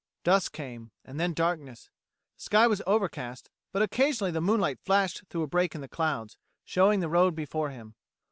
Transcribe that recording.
Dusk came, and then darkness. The sky was overcast, but occasionally the moonlight flashed through a break in the clouds, showing the road before him.